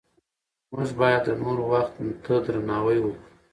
موږ باید د نورو وخت ته درناوی وکړو